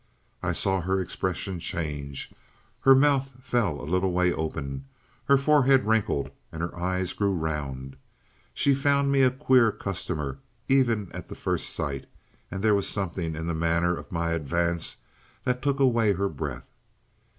I saw her expression change, her mouth fell a little way open, her forehead wrinkled, and her eyes grew round. She found me a queer customer even at the first sight, and there was something in the manner of my advance that took away her breath.